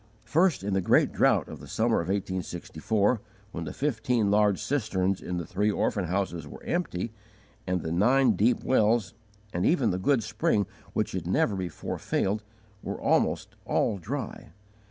First, in the great drought of the summer of 1864, when the fifteen large cisterns in the three orphan houses were empty, and the nine deep wells, and even the good spring which had never before failed, were almost all dry.